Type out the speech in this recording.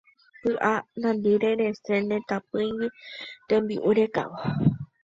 Py'a nandimíre resẽ ne tapỹigui tembi'u rekávo.